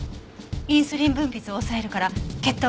インスリン分泌を抑えるから血糖は上がるわね。